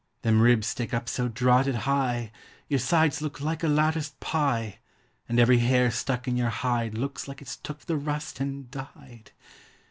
Them ribs stick up so drotted high Your sides look like a latticed pie, And every hair stuck in your hide Looks like it's took the rust and died!